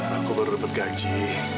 aku baru dapat gaji